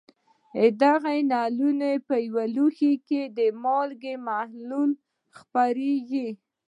دغه نلونه په یو لوښي کې د مالګې محلول ته خپرېږي.